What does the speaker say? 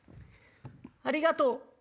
ありがとう！